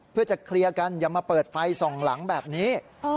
เพื่อจะเคลียร์กันอย่ามาเปิดไฟส่องหลังแบบนี้